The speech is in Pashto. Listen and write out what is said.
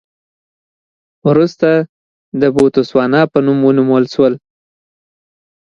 وروسته د بوتسوانا په نوم ونومول شول.